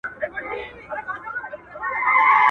مامي سړو وینو ته اور غوښتی!